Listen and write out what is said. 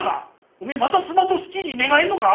おめえまたスマートシティに寝返んのか！